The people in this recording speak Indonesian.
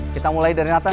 kita mulai dari nathan